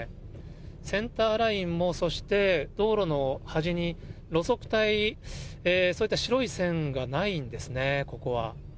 センターラインも、そして道路の端に路側帯、そういった白い線がないんですね、ここは。